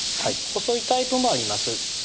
細いタイプもあります